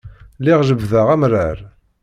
Lliɣ jebbdeɣ amrar.